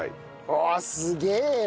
うわあすげえよ！